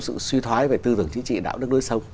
sự suy thoái về tư tưởng chính trị đạo đức đối sông